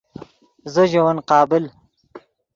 زو ژے ون قابل